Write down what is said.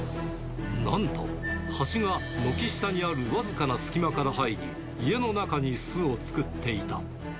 なんと、ハチが軒下にある僅かな隙間から入り、家の中に巣を作っていた。